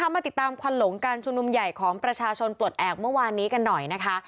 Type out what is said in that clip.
มาติดตามควันหลงการชุมนุมใหญ่ของประชาชนปลดแอบเมื่อวานนี้กันหน่อยนะคะ